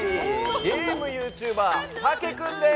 ゲームユーチューバー茸君です！